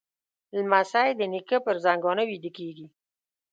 لمسی د نیکه پر زنګانه ویده کېږي.